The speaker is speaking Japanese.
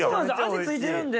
味付いてるんで。